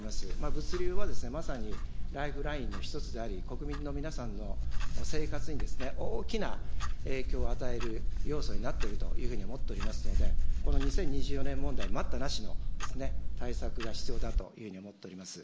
物流はまさにライフラインの１つであり、国民の皆さんの生活に大きな影響を与える要素になっているというふうに思っておりますので、この２０２４年問題、待ったなしの対策が必要だというように思っております。